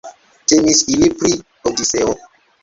Temis ili pri Odiseo.